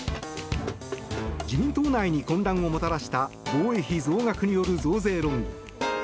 自民党内に混乱をもたらした防衛費増額による増税論議。